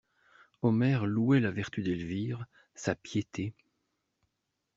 Omer louait la vertu d'Elvire, sa piété.